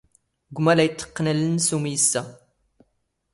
ⴳⵯⵎⴰ ⵍⴰ ⵉⵜⵜⵇⵇⵏ ⴰⵍⵍⵏ ⵏⵏⵙ ⵓⵎⵉ ⵉⵙⵙⴰ.